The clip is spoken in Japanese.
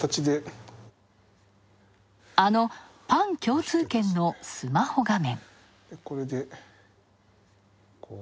あのパン共通券のスマホ画面。